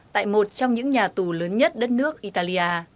tại một trong những nhà tù lớn nhất đất nước italia